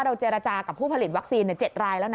เจรจากับผู้ผลิตวัคซีน๗รายแล้วนะ